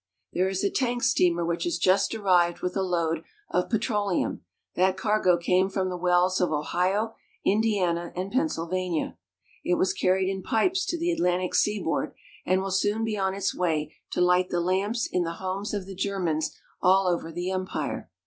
There is a tank steamer which has just arrived with a load of petroleum. That cargo came from the wells of Ohio, Indiana, and Pennsylvania. It was carried in pipes to the Atlantic seaboard, and will soon be on its way to light the lamps in the homes of the Germans all over the empire.